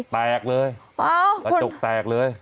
แตกเลยเอ้าคุณแตกเลย